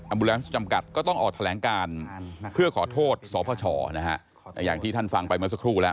บูแลนซ์จำกัดก็ต้องออกแถลงการเพื่อขอโทษสพชนะฮะอย่างที่ท่านฟังไปเมื่อสักครู่แล้ว